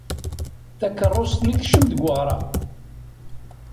Takeṛṛust-nni tekcem deg weɣrab.